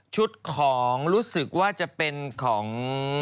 ของรู้สึกว่าจะเป็นของ